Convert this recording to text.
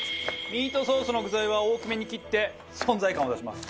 ミートソースの具材は大きめに切って存在感を出します。